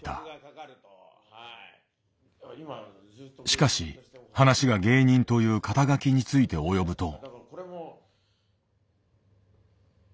しかし話が芸人という肩書について及ぶと。